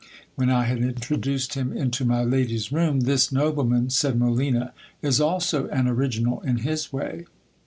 When I had introduced him into my lady's room — This nobleman, said Molina, is also an original in his way.